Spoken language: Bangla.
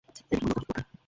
এতে কোন লজ্জা বোধ করত না।